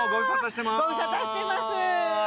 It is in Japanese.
ご無沙汰してます。